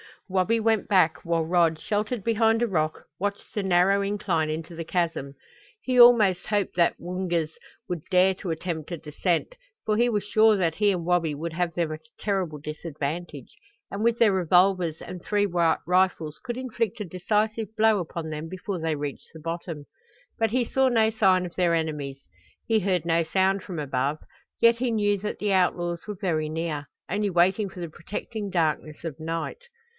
Wabi went back, while Rod, sheltered behind a rock, watched the narrow incline into the chasm. He almost hoped the Woongas would dare to attempt a descent, for he was sure that he and Wabi would have them at a terrible disadvantage and with their revolvers and three rifles could inflict a decisive blow upon them before they reached the bottom. But he saw no sign of their enemies. He heard no sound from above, yet he knew that the outlaws were very near only waiting for the protecting darkness of night.